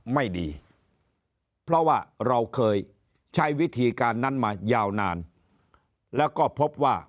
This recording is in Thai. ไม่ดีเพราะว่าเราเคยใช้วิธีการนั้นมายาวนานแล้วก็พบว่า